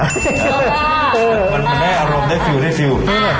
มันได้อารมณ์ได้ฟิว